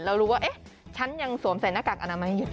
แล้วรู้ว่าฉันยังสวมใส่หน้ากากอนามัยอยู่